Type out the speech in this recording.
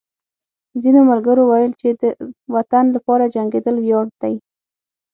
ځینو ملګرو ویل چې د وطن لپاره جنګېدل ویاړ دی